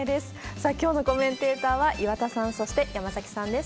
さあ、きょうのコメンテーターは岩田さん、そして山崎さんです。